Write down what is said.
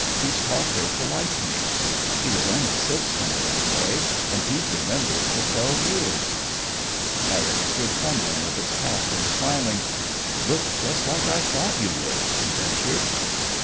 He's taught her to like me. He was only six when I went away, and he's remembered for twelve years." Eric stood fumbling with his cap and smiling. "You look just like I thought you would," he ventured.